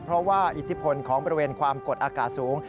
เพราะว่าอิทธิพลของบริเวณความกดอากาศสูง